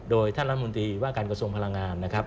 โดยท่านรัฐมนตรีว่าการกระทรวงพลังงานนะครับ